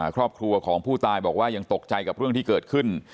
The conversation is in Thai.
ครอบครัวของผู้ตายบอกว่ายังตกใจกับเรื่องที่เกิดขึ้น